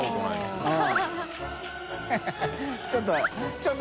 ちょっと。